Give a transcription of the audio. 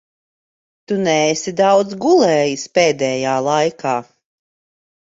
Tu neesi daudz gulējis pēdējā laikā.